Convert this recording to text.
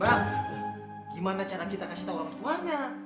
bang gimana cara kita kasih tahu orang tuanya